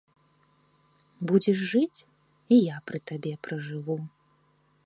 Будзеш жыць, і я пры табе пражыву.